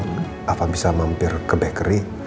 apa bisa mampir ke bakery